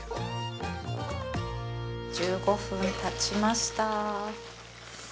◆１５分たちました。